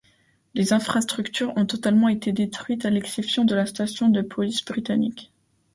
Les infrastructures ont totalement été détruites à l'exception de la station de police britannique.